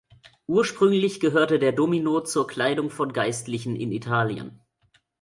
Ursprünglich gehörte der Domino zur Kleidung von Geistlichen in Italien.